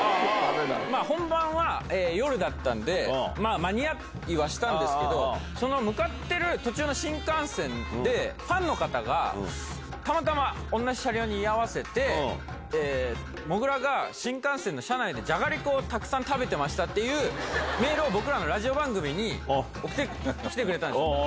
本番は夜だったんで、間に合いはしたんですけど、その向かっている途中の新幹線で、ファンの方が、たまたま、同じ車両に居合わせて、もぐらが新幹線の車内でじゃがりこをたくさん食べてましたっていうメールを、僕らのラジオ番組に送ってきてくれたんです。